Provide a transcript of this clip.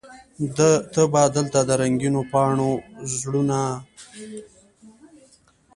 ته به دلته د رنګینو پاڼو زړونه